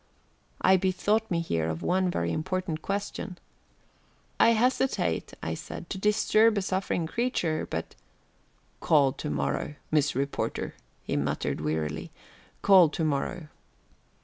I bethought me here of one very important question. "I hesitate," I said, "to disturb a suffering creature, but " "Call to morrow, Miss Reporter," he muttered wearily, "call to morrow."